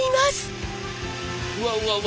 うわうわうわ！